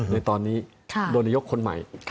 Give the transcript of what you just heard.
ในตอนนี้โดยนายกคนใหม่